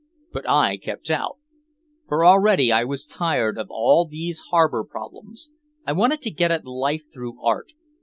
But I kept out. For already I was tired again of all these harbor problems, I wanted to get at life through Art!